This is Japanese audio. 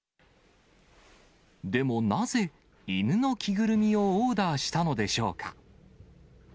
でも、なぜ犬の着ぐるみをオーダーしたのでしょうか。